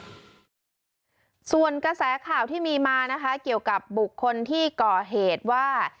ส่วนกระแสข่าวที่มีมานะคะเกี่ยวกับบุคคลที่ก่อเหตุว่า